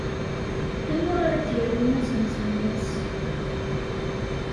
Anwa ara d-yarun azemz n wass?